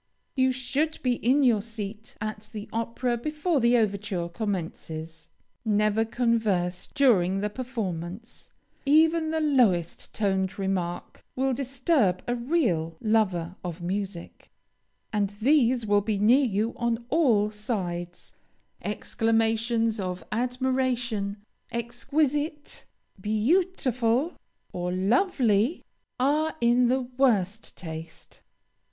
You should be in your seat at the opera before the overture commences. Never converse during the performance. Even the lowest toned remark will disturb a real lover of music, and these will be near you on all sides. Exclamations of admiration, "Exquisite!" "Beautiful!" or "Lovely!" are in the worst taste.